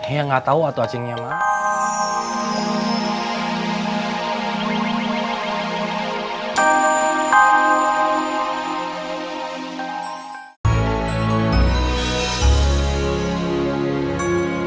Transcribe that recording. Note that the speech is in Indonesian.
ya nggak tahu atuh asingnya emak